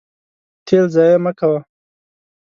تیل ضایع مه کوه.